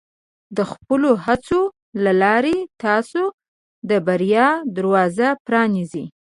د خپلو هڅو له لارې، تاسو د بریا دروازه پرانیزئ.